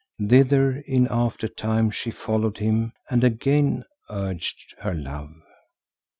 Thither in after time she followed him and again urged her love.